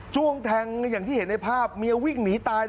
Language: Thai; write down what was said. แทงอย่างที่เห็นในภาพเมียวิ่งหนีตาย